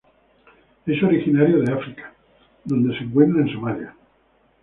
Es originario de África donde se encuentra en Somalia.